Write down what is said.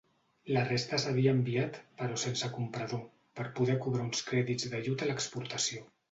La resta s'havia enviat però sense comprador, per poder cobrar uns crèdits d'ajut a l'exportació.